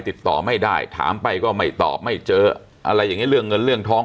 ติดต่อไม่ได้ถามไปก็ไม่ตอบไม่เจออะไรอย่างนี้เรื่องเงินเรื่องท้อง